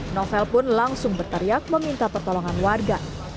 novel pun langsung berteriak meminta pertolongan warga